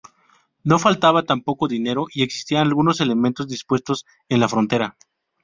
No faltaba tampoco dinero y existían algunos elementos dispuestos en la frontera.